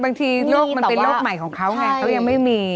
บางทีโรคมันเป็นโรคใหม่ของเขาไงเขายังไม่มี